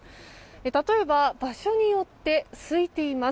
例えば、場所によってすいています。